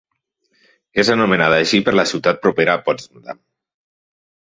És nomenada així per la ciutat propera de Potsdam.